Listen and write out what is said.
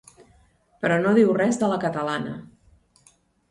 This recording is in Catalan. Però no diu res de la Catalana.